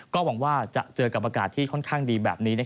ก็หวังว่าจะเจอกับอากาศที่ค่อนข้างดีแบบนี้